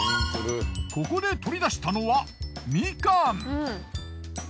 ここで取り出したのはみかん。